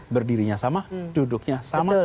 berdirinya sama duduknya sama